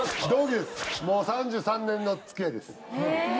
もう３３年の付き合いです